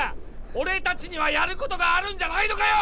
俺達にはやることがあるんじゃないのかよ！